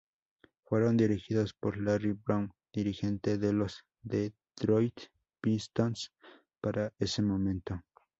Fueron dirigidos por Larry Brown dirigente de los Detroit Pistons para ese momento.